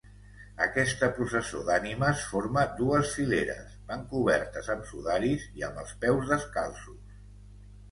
Aquesta processó d'ànimes forma dues fileres, van cobertes amb sudaris i amb els peus descalços.